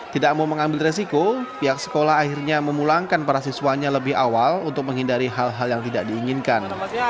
tidak mau mengambil resiko pihak sekolah akhirnya memulangkan para siswanya lebih awal untuk menghindari hal hal yang tidak diinginkan